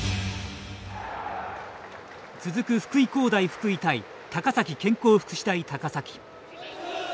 続く福井工大福井対高崎健康福祉大高崎。